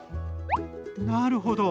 なるほど。